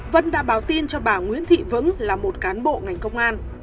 vân đã báo tin cho bà nguyễn thị vững là một cán bộ ngành công an